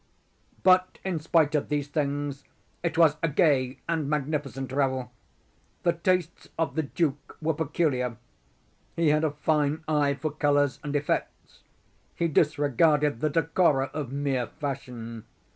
But, in spite of these things, it was a gay and magnificent revel. The tastes of the duke were peculiar. He had a fine eye for colors and effects. He disregarded the decora of mere fashion.